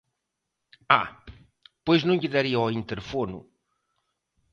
¡Ah!, pois non lle daría ao interfono.